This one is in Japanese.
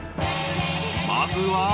［まずは］